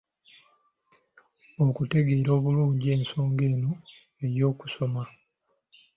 Okutegeera obulungi ensonga eno ey'okusoma